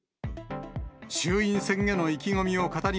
衆院選への意気込みを語り